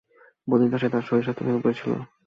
বন্দিদশায় তার শরীর স্বাস্থ্য ভেঙ্গে পড়েছিল।